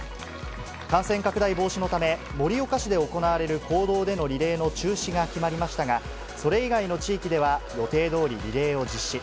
感染拡大防止のため、盛岡市で行われる公道でのリレーの中止が決まりましたが、それ以外の地域では予定どおりリレーを実施。